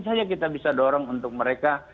saja kita bisa dorong untuk mereka